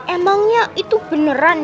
emangnya itu beneran ya